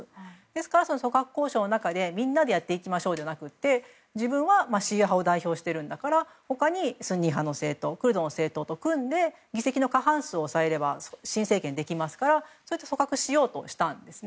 ですから組閣交渉の中でみんなでやっていきましょうじゃなくて自分はシーア派を代表しているんだから他に、スンニ派の政党やクルドの政党と組んで議席の過半数を押さえれば新政権ができますから組閣しようとしたんです。